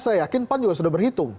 saya yakin pan juga sudah berhitung